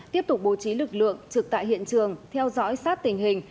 tiếp tục bố trí lực lượng trực tại hiện trường theo dõi sát tình hình